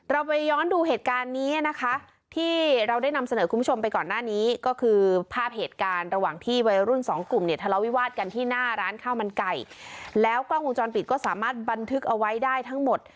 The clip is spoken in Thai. เราไปย้อนดูเหตุการณ์นี้นะคะที่เราได้นำเสนอคุณผู้ชมไปก่อนหน้านี้ก็คือภาพเหตุการณ์ระหว่างที่วัยรุ่นสองกลุ่มเนี่ยทะเลาวิวาสกันที่หน้าร้านข้าวมันไก่แล้วกล้องวงจรปิดก็สามารถบันทึกเอาไว้ได้ทั้งหมด